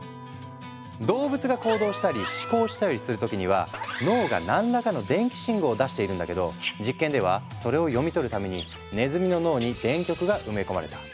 動物が行動したり思考したりする時には脳が何らかの電気信号を出しているんだけど実験ではそれを読み取るためにねずみの脳に電極が埋め込まれた。